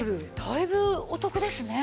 だいぶお得ですね。